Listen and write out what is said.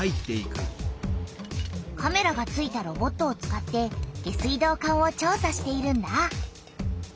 カメラがついたロボットを使って下水道管を調さしているんだ。